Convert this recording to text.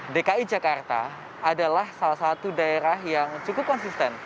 dki jakarta adalah salah satu daerah yang cukup konsisten